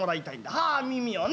はあ耳をね。